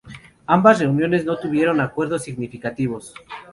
Ambas reuniones no tuvieron acuerdos significativos.